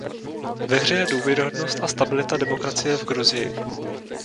Ve hře je důvěryhodnost a stabilita demokracie v Gruzii.